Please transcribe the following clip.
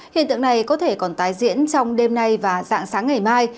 hiện tượng này có thể còn tái diễn trong đêm nay và dạng sáng ngày mai